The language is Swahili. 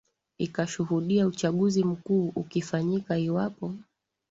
ikashuhudia uchaguzi mkuu ukifanyika iwapo